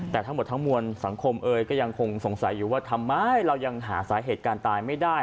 แต่ทั้งหมดทั้งมวลสังคมเอ่ยก็ยังคงสงสัยอยู่ว่าทำไมเรายังหาสาเหตุการณ์ตายไม่ได้